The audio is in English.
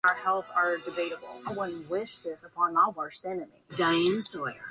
The D-Bus standard has superseded ToolTalk in some Unix-like desktop environments.